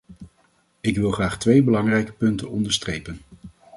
Ik wil graag twee belangrijke punten onderstrepen.